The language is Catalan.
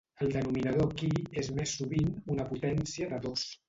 El denominador aquí és més sovint una potència de dos.